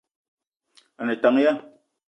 A ne tank ya ?